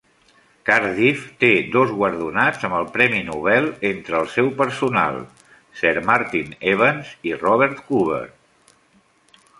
Cardiff té dos guardonats amb el Premi Nobel entre el seu personal, Sir Martin Evans i Robert Huber.